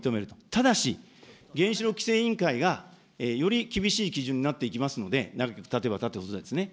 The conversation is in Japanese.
ただし、原子力規制委員会が、より厳しい基準になっていきますので、例えば長くたてばということですね、